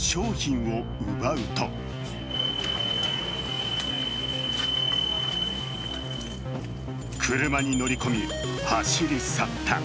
商品を奪うと車に乗り込み、走り去った。